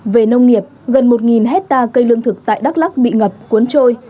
về nông nghiệp gần một hectare cây lương thực tại đắk lắc bị ngập cuốn trôi